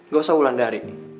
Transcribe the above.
gak usah wulandari